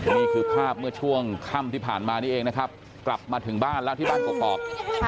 นี่คือภาพเมื่อช่วงค่ำที่ผ่านมานี่เองนะครับกลับมาถึงบ้านแล้วที่บ้านกกอก